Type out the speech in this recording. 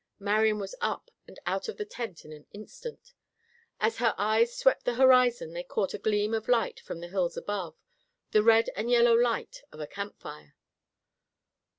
Marian was up and out of the tent in an instant. As her eyes swept the horizon they caught a gleam of light from the hills above, the red and yellow light of a camp fire.